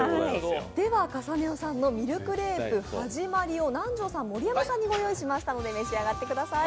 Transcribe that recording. ｃａｓａｎｅｏさんのミルクレープはじまりを南條さん、盛山さんに御用意しましたので召し上がってください。